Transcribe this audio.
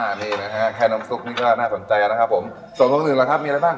อันนี้นะฮะแค่น้ำซุปนี่ก็น่าสนใจแล้วนะครับผมส่วนตรงอื่นล่ะครับมีอะไรบ้าง